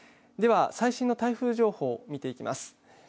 では最新の台風情報を見ていきます。